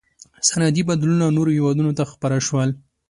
• صنعتي بدلونونه نورو هېوادونو ته خپاره شول.